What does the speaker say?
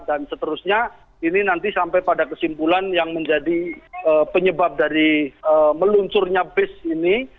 dan seterusnya ini nanti sampai pada kesimpulan yang menjadi penyebab dari meluncurnya bus ini